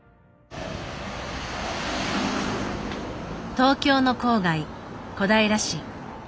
東京の郊外小平市。